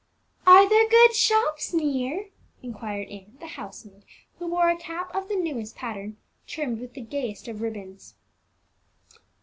"Are there good shops near?" inquired Ann, the housemaid, who wore a cap of the newest pattern, trimmed with the gayest of ribbons.